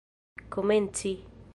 komenci